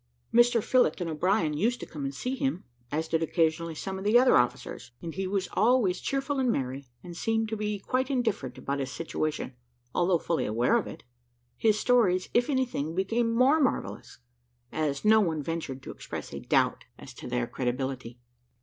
Mr Phillott and O'Brien used to come and see him, as did occasionally some of the other officers, and he was always cheerful and merry, and seemed to be quite indifferent about his situation, although fully aware of it. His stories, if anything, became more marvellous, as no one ventured to express a doubt as to their credibility.